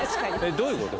どういうこと？